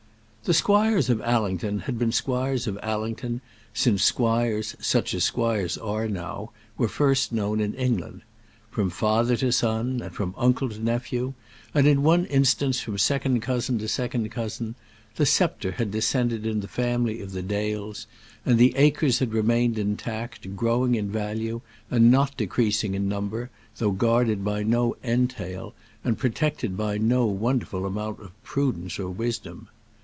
The squires of Allington had been squires of Allington since squires, such as squires are now, were first known in England. From father to son, and from uncle to nephew, and, in one instance, from second cousin to second cousin, the sceptre had descended in the family of the Dales; and the acres had remained intact, growing in value and not decreasing in number, though guarded by no entail and protected by no wonderful amount of prudence or wisdom.